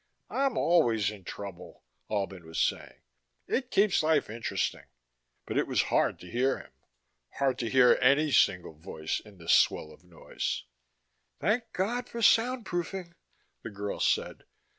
"I'm always in trouble," Albin was saying. "It keeps life interesting." But it was hard to hear him, hard to hear any single voice in the swell of noise. "Thank God for soundproofing," the girl said.